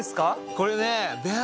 これね。